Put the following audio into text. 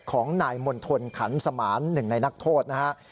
ของนายมณฑลขันสมาร์น๑นักโทษนะฮะ